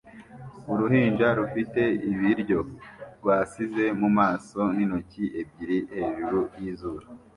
Uruhinja rufite ibiryo rwasize mu maso n'intoki ebyiri hejuru yizuru